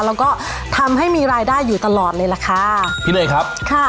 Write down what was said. แล้วก็ทำให้มีรายได้อยู่ตลอดเลยล่ะค่ะพี่เนยครับค่ะ